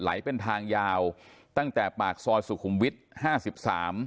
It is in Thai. ไหลเป็นทางยาวตั้งแต่ปากซอยสุขุมวิทย์๕๓